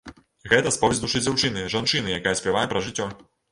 Гэта споведзь душы дзяўчыны, жанчыны, якая спявае пра жыццё.